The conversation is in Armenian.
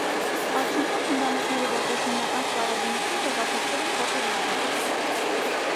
Արդյունքում թնդանոթները որպես հիմնական սպառազինություն տեղափոխվել են փոքր նավերի վրա։